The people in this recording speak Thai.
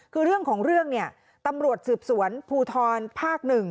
คือเรื่องของเรื่องเนี่ยตำรวจสืบสวนภูทรภาค๑